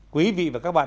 quý vị và các bạn